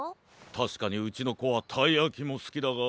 たしかにうちのこはたいやきもすきだが。